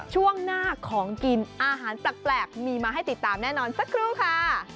ช่วงหน้าของกินอาหารแปลกมีมาให้ติดตามแน่นอนสักครู่ค่ะ